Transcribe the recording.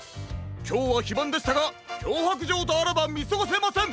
きょうはひばんでしたがきょうはくじょうとあらばみすごせません！